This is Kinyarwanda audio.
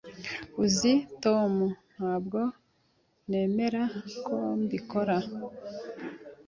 "Uzi Tom?" "Ntabwo nemera ko mbikora."